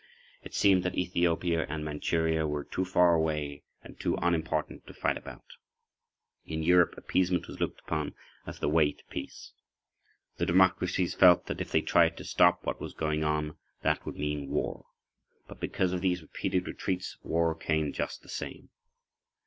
It seemed that Ethiopia and Manchuria were too far away and too unimportant to fight about. In Europe appeasement was looked upon as the way to peace. The democracies felt that if they tried to stop what was going on that would mean war. But, because of these repeated retreats, war came just the same.